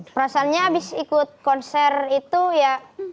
perasaannya abis ikut konser itu ya